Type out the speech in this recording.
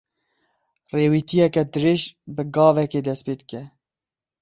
Rêwîtiyeke dirêj bi gavekê dest pê dike.